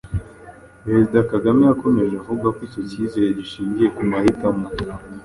Perezida Kagame yakomeje avuga ko icyo kizere gishingiye ku mahitamo